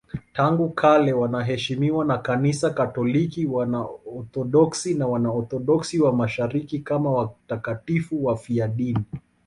Tangu kale wanaheshimiwa na Kanisa Katoliki, Waorthodoksi na Waorthodoksi wa Mashariki kama watakatifu wafiadini.